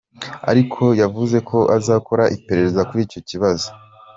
Ariko yavuze ko azakora iperereza kuri icyo kibazo.